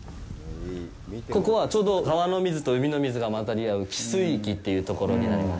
ここは、ちょうど川の水と海の水が混ざり合う汽水域っていうところになります。